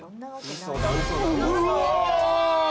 うわ！